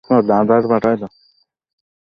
বর্তমানে বাংলাদেশের সবচেয়ে ছোট উপজেলা কর্ণফুলী।